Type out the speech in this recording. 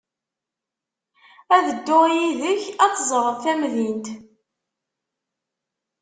Ad dduɣ yid-k ad teẓreḍ tamdint.